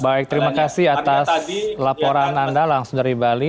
baik terima kasih atas laporan anda langsung dari bali